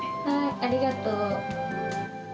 ありがとう。